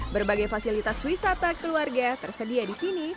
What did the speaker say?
berbagai fasilitas wisata keluarga tersedia di sini